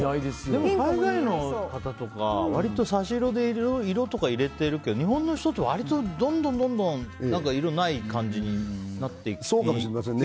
でも海外の方とか割と差し色で色とか入れてるけど日本の人って割とどんどん色がない感じになってるそうかもしれませんね。